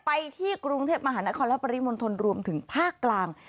ไปที่กรุงเทพมหานครและปริมณฑลรวมถึงภาคกลาง